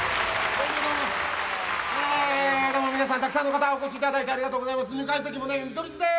どうもどうも、どうも皆さん、たくさんの方、お越しいただいてありがとうございます。